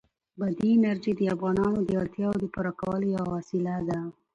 بادي انرژي د افغانانو د اړتیاوو د پوره کولو یوه وسیله ده.